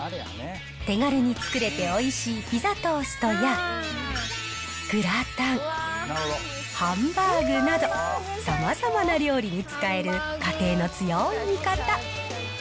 手軽に作れておいしいピザトーストやグラタン、ハンバーグなど、さまざまな料理に使える家庭の強ーい味方。